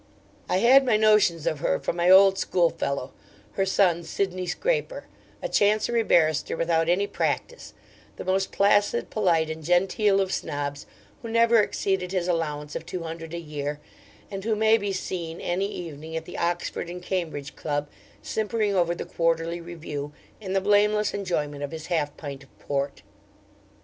I had my notions of her from my old schoolfellow, her son Sydney Scraper a Chancery barrister without any practice the most placid, polite, and genteel of Snobs, who never exceeded his allowance of two hundred a year, and who may be seen any evening at the 'Oxford and Cambridge Club,' simpering over the QUARTERLY REVIEW, in the blameless enjoyment of his half pint of port.